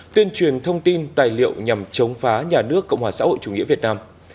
tuyên truyền thông tin tài liệu nhằm chống phá nhà nước cộng hòa xã hội chủ nghĩa việt nam